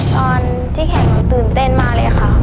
ตอนที่แข่งมันตื่นเต้นมาเลยครับ